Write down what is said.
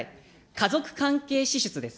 家族関係支出です。